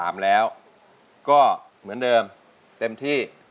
ไม่ใช่